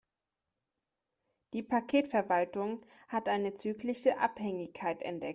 Die Paketverwaltung hat eine zyklische Abhängigkeit entdeckt.